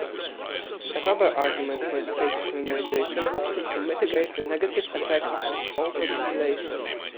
Another argument for space colonization is to mitigate the negative effects of overpopulation.